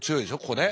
ここね。